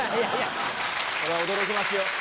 これは驚きますよ